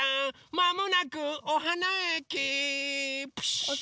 まもなくおはなえき。